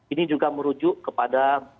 ini juga merujuk kepada